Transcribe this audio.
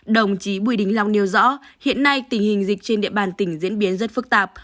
đồng chí bùi đình long nêu rõ hiện nay tình hình dịch trên địa bàn tỉnh diễn biến rất phức tạp